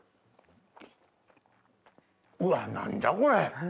うわ何じゃこれ！